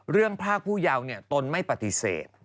เรื่องพลาดผู้ยาวเนี่ยตนไม่ปฏิเสธ